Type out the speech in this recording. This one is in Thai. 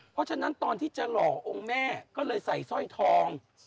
เพราะฉะนั้นตอนที่จะหล่อองค์แม่ก็เลยใส่สร้อยทอง